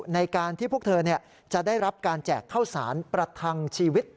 ในการที่พวกเธอจะได้รับการแจกข้าวสารประทังชีวิต